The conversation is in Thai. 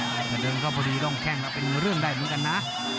เมื่อเดินเข้าเพลี่ยงมีล่องแค่งก็เป็นอยู่เรื่องได้เหมือนกันน่ะ